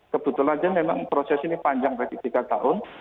kebetulan proses ini panjang tiga tahun